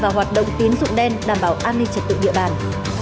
và hoạt động tín dụng đen đảm bảo an ninh trật tự địa bàn